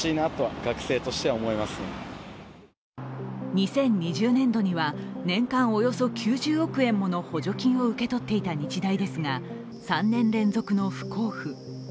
２０２０年度には年間およそ９０億円もの補助金を受け取っていた日大ですが、３年連続の不交付。